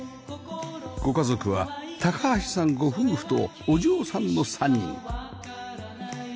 ご家族は高橋さんご夫婦とお嬢さんの３人